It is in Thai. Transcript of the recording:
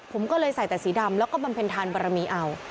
ผมก็เลยใส่แต่สีดำแล้วก็บำเพ็ญทานบารมีเอา